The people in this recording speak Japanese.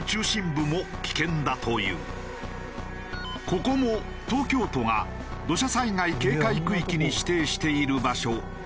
ここも東京都が土砂災害警戒区域に指定している場所